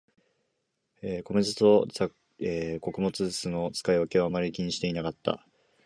米酢と穀物酢の使い分けをあまり気にしてなかった